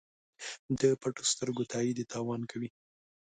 د پټو سترګو تایید یې تاوان کوي.